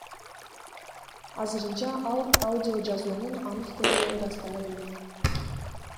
Азырынча ал аудиожазуунун аныктыгы ырастала элек.